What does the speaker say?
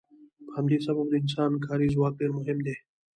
په همدې سبب د انسان کاري ځواک ډیر مهم دی.